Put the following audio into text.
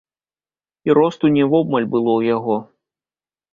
І росту не вобмаль было ў яго.